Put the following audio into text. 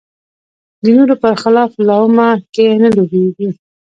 د نورو بر خلاف لومه کې نه لویېږي